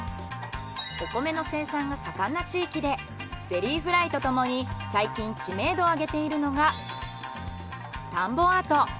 お米の生産が盛んな地域でゼリーフライとともに最近知名度を上げているのが。